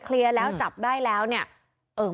เคลียร์แล้วจับได้แล้วเนี่ย